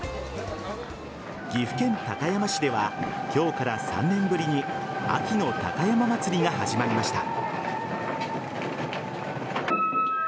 岐阜県高山市では今日から３年ぶりに秋の高山祭が始まりました。